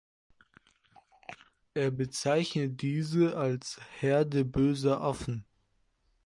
Er bezeichnet diese als „Herde böser Affen“.